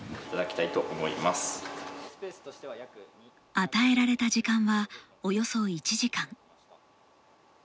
与えられた時間はおよそ１時間。